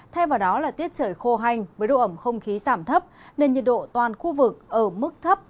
thay vào đó là tiết trời khô hành với độ ẩm không khí giảm thấp nên nhiệt độ toàn khu vực ở mức thấp